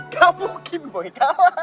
ga mungkin woy kalah